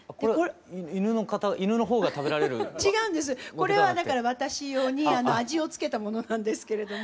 これはだから私用に味を付けたものなんですけれども。